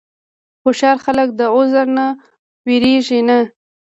هوښیار خلک د عذر نه وېرېږي نه.